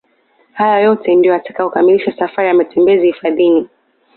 Haya yote ndio yatakayokamilisha safari ya matembezi hifadhini